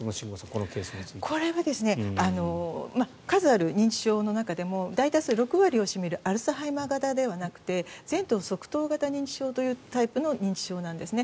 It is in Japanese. このケースについては。これは数ある認知症の中でも大多数を占めるアルツハイマー型ではなくて前頭側頭型認知症というタイプの認知症なんですね。